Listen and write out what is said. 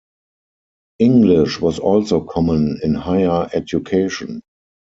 English was also common in higher education.